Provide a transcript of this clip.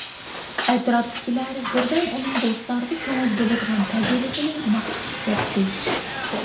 ئەتراپتىكىلەر بىردەم ئۇنىڭ دوستلارغا كۆڭۈل بۆلىدىغان پەزىلىتىنى ماختىشىپ كەتتى.